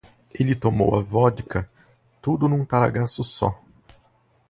Ele tomou a vodka tudo num talagaço só